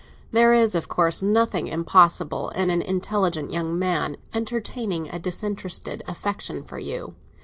There is, of course, nothing impossible in an intelligent young man entertaining a disinterested affection for you.